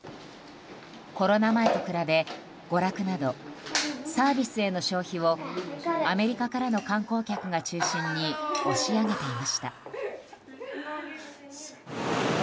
コロナ前と比べ娯楽などサービスへの消費をアメリカからの観光客が中心に押し上げていました。